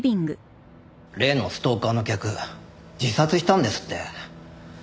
例のストーカーの客自殺したんですって？